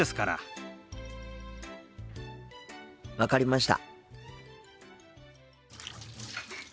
分かりました。